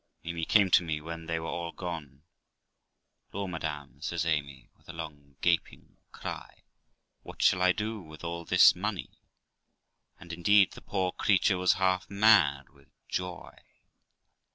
Amy came to me when they were all gone; 'Law, madam', says Amy, with a long, gaping cry, 'what shall I do with all this money?' And indeed the poor creature was half mad with joy.